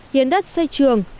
hiến đất xây trường